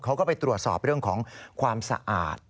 เขาก็ไปตรวจสอบเรื่องของความสะอาด